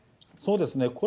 そうですね。